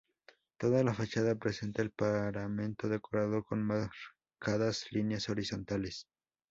Toda la fachada presenta el paramento decorado con marcadas líneas horizontales.